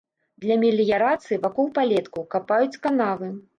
Для меліярацыі вакол палеткаў капаюць канавы.